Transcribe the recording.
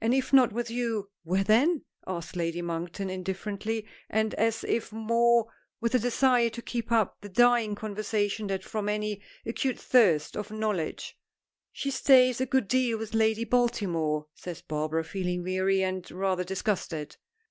"And if not with you where then?" asks Lady Monkton, indifferently, and as if more with a desire to keep up the dying conversation than from any acute thirst for knowledge. "She stays a good deal with Lady Baltimore," says Barbara, feeling weary, and rather disgusted.